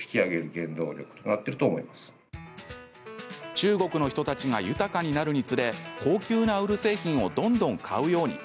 中国の人たちが豊かになるつれ高級なウール製品をどんどん買うように。